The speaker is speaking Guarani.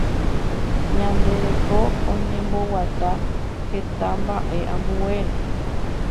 Ñande reko oñemboguata heta mbaʼe ambuére.